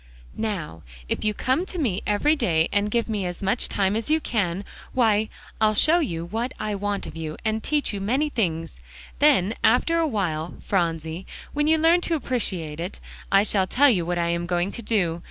"Now if you come to me every day, and give me as much time as you can, why, I'll show you what I want of you, and teach you many things. Then after a while, Phronsie, when you learn to appreciate it, I shall tell you what I am going to do.